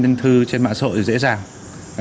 tên thư trên mạng xã hội dễ dàng